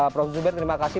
prof zubair terima kasih